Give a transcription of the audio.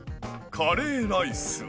カレーライスを。